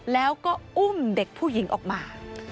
แล้วก็อุ้มเด็กผู้หญิงออกมา